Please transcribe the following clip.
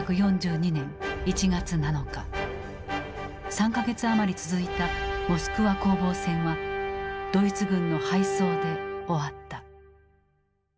３か月余り続いたモスクワ攻防戦はドイツ軍の敗走で終わった。